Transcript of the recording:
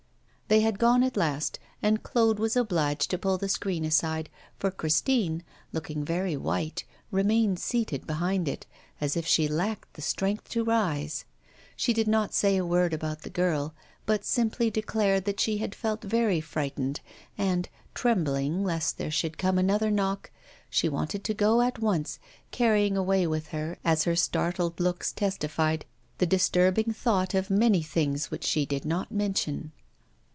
They had gone at last, and Claude was obliged to pull the screen aside, for Christine, looking very white, remained seated behind it, as if she lacked the strength to rise. She did not say a word about the girl, but simply declared that she had felt very frightened; and trembling lest there should come another knock she wanted to go at once, carrying away with her, as her startled looks testified, the disturbing thought of many things which she did not mention.